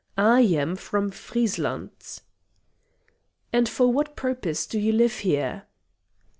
I am from Friesland." "And for what purpose do you live here?"